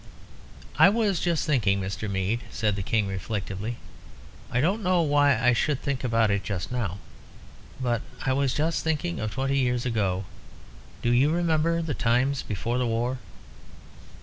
"I was just thinking, Mr. Mead," said the King, reflectively, "I don't know why I should think about it just now, but I was just thinking of twenty years ago. Do you remember the times before the war?"